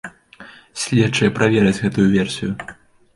Следчыя правераць гэтую версію.